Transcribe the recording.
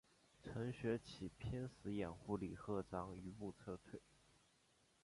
程学启拼死掩护李鹤章余部撤退。